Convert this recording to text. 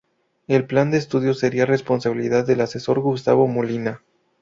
El plan de estudios sería responsabilidad del asesor Gustavo Molina.